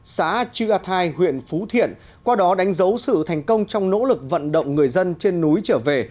xã chư a thai huyện phú thiện qua đó đánh dấu sự thành công trong nỗ lực vận động người dân trên núi trở về